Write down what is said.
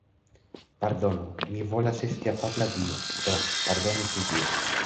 Pardonu. Mi volas esti afabla dio, do, pardonu pri tio.